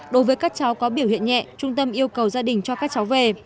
đối với các cháu có biểu hiện nhẹ trung tâm yêu cầu gia đình cho các cháu về